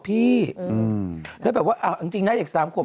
พี่อืมแล้วแบบว่าอ่าจริงจริงได้เสียสามครบ